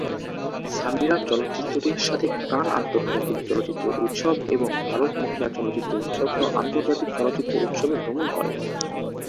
সামিরা চলচ্চিত্রটির সাথে কান আন্তর্জাতিক চলচ্চিত্র উৎসব এবং ভারত মহিলা চলচ্চিত্র উৎসব সহ আন্তর্জাতিক চলচ্চিত্র উৎসবে ভ্রমণ করেন।